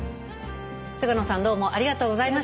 菅野さんどうもありがとうございました。